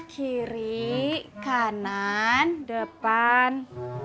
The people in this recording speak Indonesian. kiri kanan depan